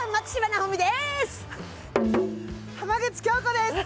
浜口京子です！